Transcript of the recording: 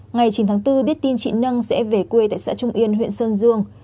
ngày chín tháng bốn biết tin chị nâng sẽ về quê tại xã trung yên huyện sơn dương